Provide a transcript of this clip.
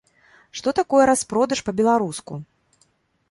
Што такое распродаж па-беларуску?